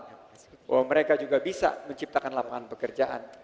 bahwa mereka juga bisa menciptakan lapangan pekerjaan